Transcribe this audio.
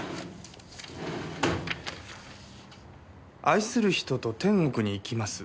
「愛する人と天国に行きます」